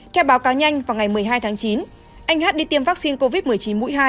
theo báo cáo nhanh vào ngày một mươi hai tháng chín anh hát đi tiêm vaccine covid một mươi chín mũi hai